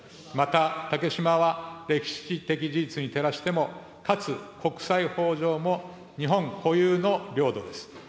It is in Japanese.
また竹島は歴史的事実に照らしても、かつ国際法上も、日本固有の領土です。